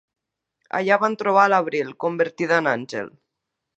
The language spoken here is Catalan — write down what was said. Allà van trobar l'Abril, convertida en àngel.